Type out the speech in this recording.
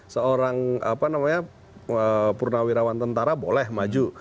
seorang apa namanya purnawirawan tentara boleh maju